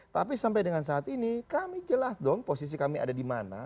tapi sampai dengan saat ini kami jelas dong posisi kami ada di mana